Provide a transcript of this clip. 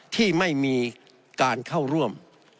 ที่ไม่มีการเข้าร่วม